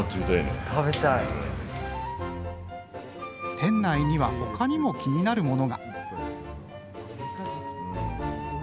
店内にはほかにも気になるものが。